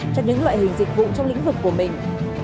cho những loại hình dịch vụ trong lĩnh vực của mình